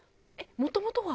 もともとは？